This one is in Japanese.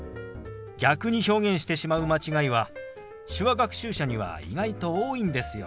逆に表現してしまう間違いは手話学習者には意外と多いんですよ。